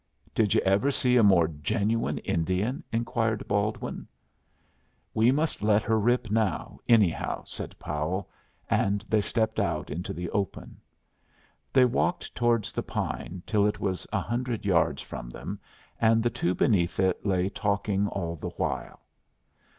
"Did you ever see a more genuine Indian?" inquired Baldwin. "We must let her rip now, anyhow," said Powell, and they stepped out into the open. They walked towards the pine till it was a hundred yards from them, and the two beneath it lay talking all the while.